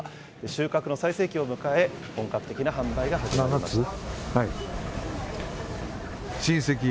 収穫の最盛期を迎え、本格的な販売が始まりました。